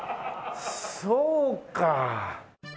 そうか。